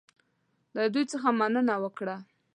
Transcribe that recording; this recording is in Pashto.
له دوی څخه مننه وکړه.